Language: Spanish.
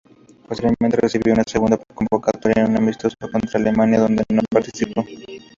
Posteriormente recibió una segunda convocatoria en un amistoso contra Alemania, donde no participó.